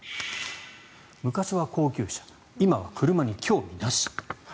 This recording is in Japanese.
昔は高級車今は車に興味なし。